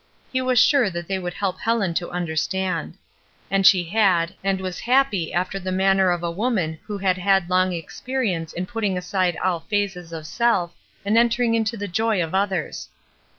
He was sure that they would help Helen to understand. And she had, and was happy after the manner of a woman who had had long experience in putting aside all phases of self, and entering into the joy of others.